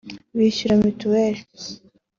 bishyura mitiweli